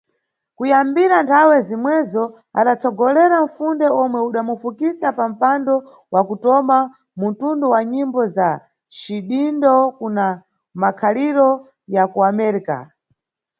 Kuyambira nthawe zimwezo adatsogolera nfunde omwe udamufikisa pampando wakutoma muntundu wa nyimbo za cidindo kuna makhaliro ya kuAmérica.